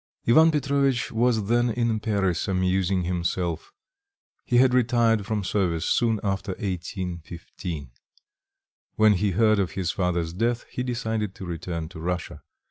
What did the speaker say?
Ivan Petrovitch was then in Paris amusing himself; he had retired from service soon after 1815. When he heard of his father's death he decided to return to Russia.